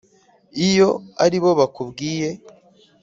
iyo ali bo bakubwiye